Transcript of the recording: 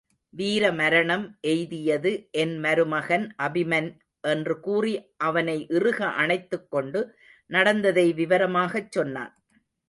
வீரமரணம் எய்தியது என்மருமகன் அபிமன் என்று கூறி அவனை இறுக அணைத்துக் கொண்டு நடந்ததை விவரமாகச் சொன்னான்.